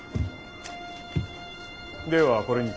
ではこれにて。